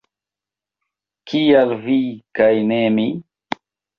Kial vi kaj ne mi?